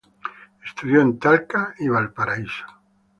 Estudió en Talca y Valparaíso.